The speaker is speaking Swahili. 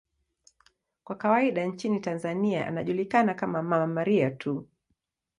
Kwa kawaida nchini Tanzania anajulikana kama 'Mama Maria' tu.